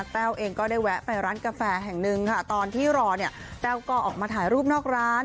แต้วเองก็ได้แวะไปร้านกาแฟแห่งหนึ่งค่ะตอนที่รอเนี่ยแต้วก็ออกมาถ่ายรูปนอกร้าน